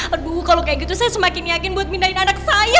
aduh kalau kayak gitu saya semakin yakin buat mindahin anak saya